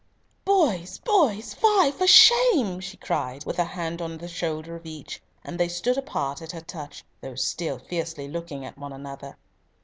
"Boys! boys! fie for shame," she cried, with a hand on the shoulder of each, and they stood apart at her touch, though still fiercely looking at one another.